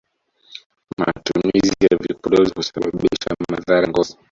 matumizi ya vipodozi husababisha madhara ya ngozi